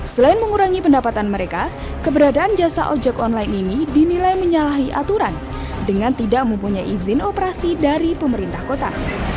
selain mengurangi pendapatan mereka keberadaan jasa ojek online ini dinilai menyalahi aturan dengan tidak mempunyai izin operasi dari pemerintah kota